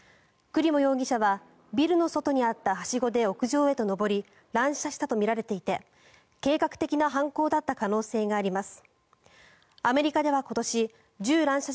クリモ容疑者はビルの外にあったはしごで屋上へと上り乱射したとみられていて計画的な犯行だった可能性があります。